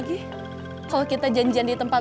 si operates tafsirnya si peng monthan